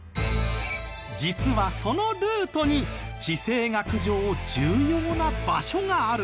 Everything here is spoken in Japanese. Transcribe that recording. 実はそのルートに地政学上重要な場所があるんですよ。